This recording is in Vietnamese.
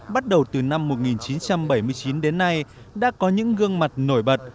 bắt đầu từ năm một nghìn chín trăm bảy mươi chín đến nay đã có những gương mặt nổi bật